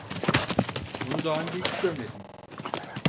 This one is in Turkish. Onu daha önce hiç görmedim.